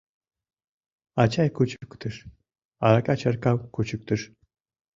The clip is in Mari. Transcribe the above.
Ачай кучыктыш, арака чаркам кучыктыш